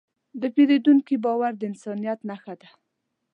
د پیرودونکي باور د انسانیت نښه ده.